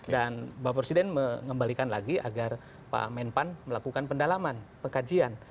dan bapak presiden mengembalikan lagi agar pak menpan melakukan pendalaman pengkajian